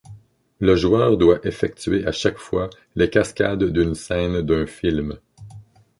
Le joueur doit effectuer à chaque fois les cascades d'une scène d'un film.